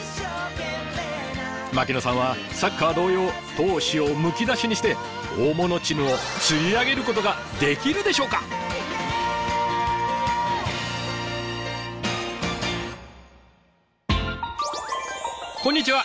槙野さんはサッカー同様闘志をむき出しにして大物チヌを釣り上げることができるでしょうか⁉こんにちは！